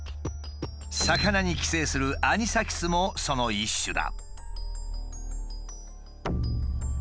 魚に寄生するアニサキスもその一種だ。